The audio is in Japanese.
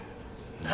何！？